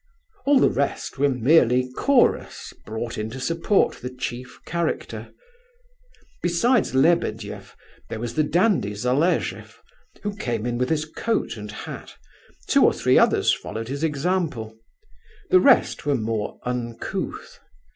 All the rest were merely chorus, brought in to support the chief character. Besides Lebedeff there was the dandy Zalesheff, who came in without his coat and hat, two or three others followed his example; the rest were more uncouth.